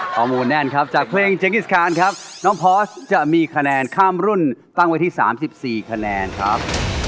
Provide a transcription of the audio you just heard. มูลแน่นครับจากเพลงเจกิสคานครับน้องพอสจะมีคะแนนข้ามรุ่นตั้งไว้ที่๓๔คะแนนครับ